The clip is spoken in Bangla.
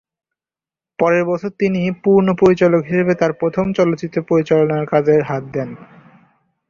পরের বছর তিনি পূর্ণ পরিচালক হিসেবে তার প্রথম চলচ্চিত্র পরিচালনার কাজ হাত দেন।